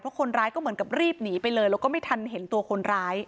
คนร้ายก็เหมือนกับรีบหนีไปเลยแล้วก็ไม่ทันเห็นตัวคนร้าย